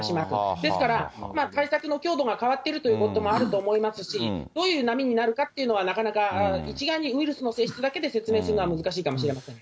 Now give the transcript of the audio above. ですから、対策の強度が変わってるということもあると思いますし、どういう波になるかというのはなかなか一概にウイルスの性質だけで説明するのは難しいかもしれませんね。